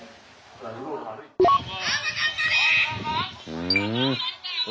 うん。